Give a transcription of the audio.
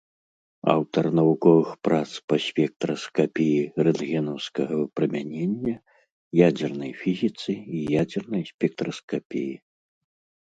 Аўтар навуковых прац па спектраскапіі рэнтгенаўскага выпрамянення, ядзернай фізіцы і ядзернай спектраскапіі.